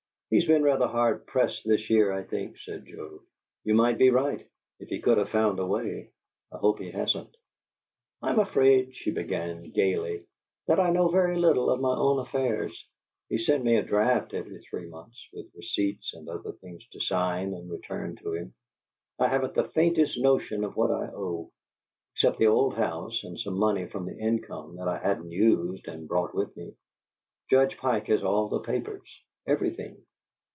"He's been rather hard pressed this year, I think," said Joe. "You might be right if he could have found a way. I hope he hasn't." "I'm afraid," she began, gayly, "that I know very little of my own affairs. He sent me a draft every three months, with receipts and other things to sign and return to him. I haven't the faintest notion of what I own except the old house and some money from the income that I hadn't used and brought with me. Judge Pike has all the papers everything."